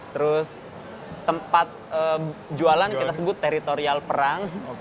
terus tempat jualan kita sebut teritorial perang